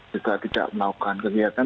juga tidak melakukan kegiatan